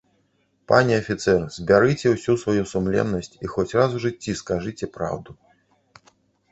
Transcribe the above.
Пане афіцэр, збярыце ўсю сваю сумленнасць і хоць раз у жыцці скажыце праўду.